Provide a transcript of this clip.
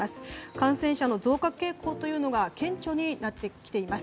感染者の増加傾向が顕著になってきています。